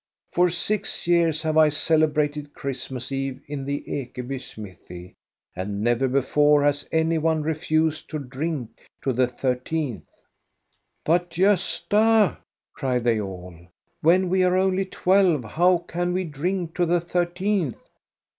For six years have I celebrated Christmas eve in the Ekeby smithy, and never before has any one refused to drink to the thirteenth. " "But, Gosta," cry they all, "when we are only twelve how can we drink to the thirteenth